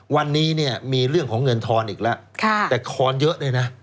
วันนี้เนี่ยมีเรื่องของเงินทอนอีกแล้วแต่ทอนเยอะด้วยนะ